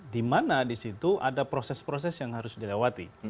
dimana disitu ada proses proses yang harus dilewati